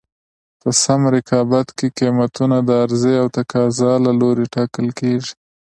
په سالم رقابت کې قیمتونه د عرضې او تقاضا له لورې ټاکل کېږي.